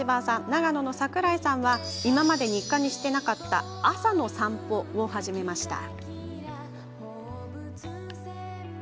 長野の櫻井さんは今まで日課にしていなかった朝の散歩を始めました。